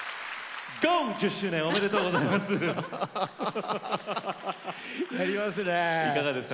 十周年おめでとうございます。